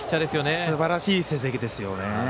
すばらしい成績ですよね。